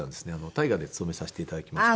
大河で勤めさせて頂きました。